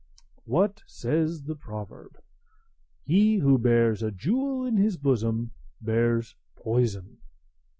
What says the proverb? "He who bears a jewel in his bosom bears poison."